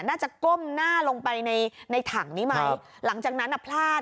ก้มหน้าลงไปในในถังนี้ไหมหลังจากนั้นอ่ะพลาด